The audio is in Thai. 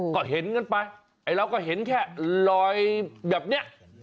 ก็เห็นกันไปไอ้เราก็เห็นแค่ลอยแบบนี้